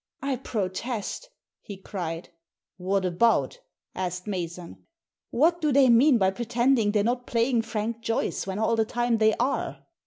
" I protest !" he cried. " What about ?" asked Mason. "What do they mean by pretending they're not playing Frank Joyce when all the time they are?